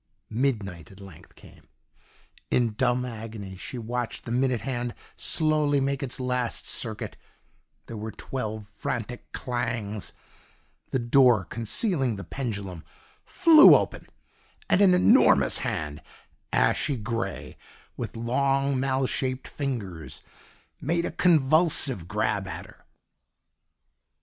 "Midnight at length came. In dumb agony she watched the minute hand slowly make its last circuit; there were twelve frantic clangs, the door concealing the pendulum flew open, and an enormous hand, ashy grey, with long, mal shaped fingers, made a convulsive grab at her.